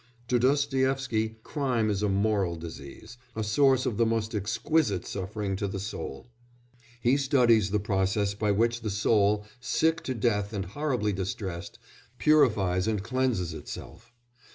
To Dostoïevsky crime is a moral disease, a source of the most exquisite suffering to the soul; he studies the process by which the soul, sick to death and horribly distressed, purifies and cleanses itself.